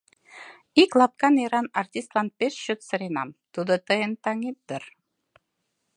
Ик лапка неран артистлан пеш чот сыренам, тудо тыйын таҥет дыр...